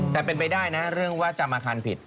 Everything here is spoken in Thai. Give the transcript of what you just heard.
แต่เป็นไปได้นะเรื่องว่าจำอาคารผิด